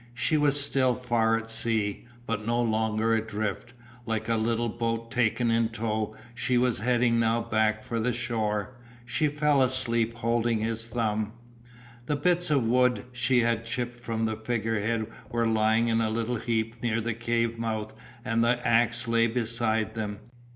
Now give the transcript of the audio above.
She was still far at sea, but no longer adrift; like a little boat taken in tow she was heading now back for the shore. She fell asleep holding his thumb. The bits of wood she had chipped from the figure head were lying in a little heap near the cave mouth and the axe lay beside them.